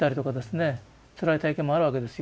つらい体験もあるわけですよね。